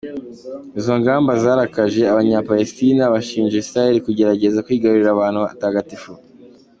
Izo ngamba zarakaje Abanyapalestina, bashinja Israheli kugerageza kwigarurira ahantu hatagatifu.